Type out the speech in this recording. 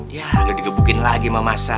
ya lo digebukin lagi sama masa